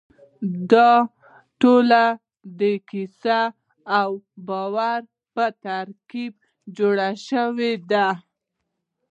دا ټول د کیسې او باور په ترکیب جوړ شوي دي.